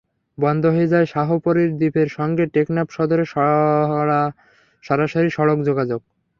বন্ধ হয়ে যায় শাহপরীর দ্বীপের সঙ্গে টেকনাফ সদরের সরাসরি সড়ক যোগাযোগ।